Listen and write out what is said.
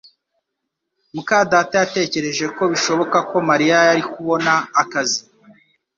muka data yatekereje ko bishoboka ko Mariya yari kubona akazi